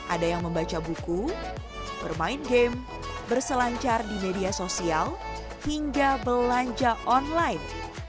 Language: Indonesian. ada yang membaca buku bermain game berselancar di media sosial hingga belanja online